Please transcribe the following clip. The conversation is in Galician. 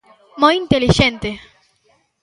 ¡Moi intelixente!